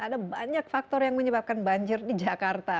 ada banyak faktor yang menyebabkan banjir di jakarta